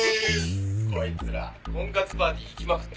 「こいつら婚活パーティー行きまくってるから」